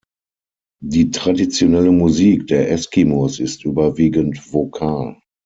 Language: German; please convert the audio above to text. Die traditionelle Musik der Eskimos ist überwiegend vokal.